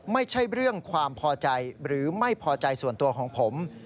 ไม่ใช่เรื่องความพอใจหรือไม่พอใจส่วนตัวของผม